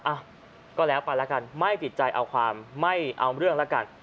อ่ะก็แล้วไปแล้วกันไม่ติดใจเอาความไม่เอาเรื่องแล้วกัน